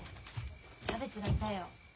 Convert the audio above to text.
キャベツがいたよ。